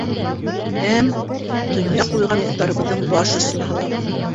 Һәм... донъя ҡуйған дуҫтарыбыҙҙың баш осона һалабыҙ.